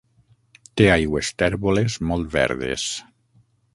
Té aigües tèrboles molt verdes.